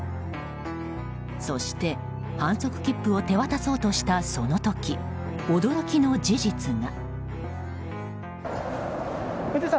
そして反則切符を手渡そうとしたその時、驚きの事実が。